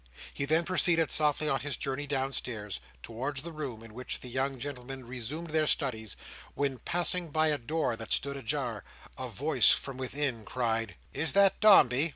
He then proceeded softly on his journey downstairs, towards the room in which the young gentlemen resumed their studies, when, passing by a door that stood ajar, a voice from within cried, "Is that Dombey?"